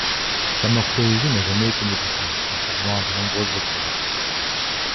Sa morphologie n'a jamais été modifiée, contrairement à de nombreuses autres races.